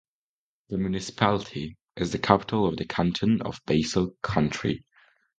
The municipality is the capital of the canton of Basel-Country.